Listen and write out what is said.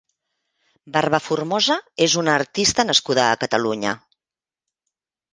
Barbaformosa és una artista nascuda a Catalunya.